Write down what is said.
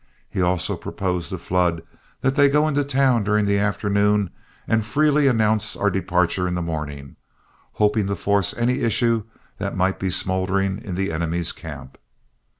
He also proposed to Flood that they go into town during the afternoon and freely announce our departure in the morning, hoping to force any issue that might be smouldering in the enemy's camp.